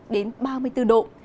đến ba mươi bốn độ